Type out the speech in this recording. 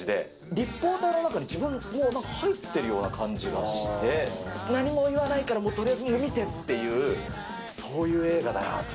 立方体の中に自分も入ってるような感じがして、何も言わないから、とりあえず見てっていう、そういう映画だなと。